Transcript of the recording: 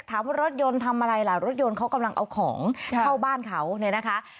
รถยนต์ทำอะไรล่ะรถยนต์เขากำลังเอาของเข้าบ้านเขาเนี่ยนะคะ